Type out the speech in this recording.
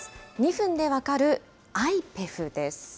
２分でわかるＩＰＥＦです。